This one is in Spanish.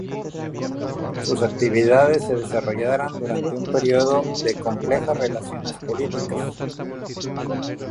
Sus actividades se desarrollaron durante un período de complejas relaciones políticas.